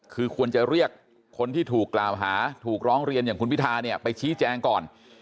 คือควรจะเรียกคนที่ถูกกล่าวหาถูกร้องเรียนอย่างคุณพิธาเนี่ยไปชี้แจงก่อน